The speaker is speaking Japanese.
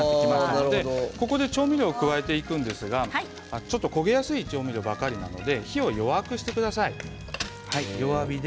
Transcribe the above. ここで調味料を加えていくんですがちょっと焦げやすい調味料なので火を弱くしてください。